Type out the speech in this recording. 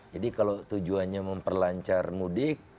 jadi kalau tujuannya memperlancar mudik